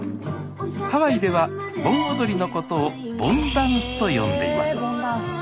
ハワイでは盆踊りのことを「ＢＯＮＤＡＮＣＥ」と呼んでいます。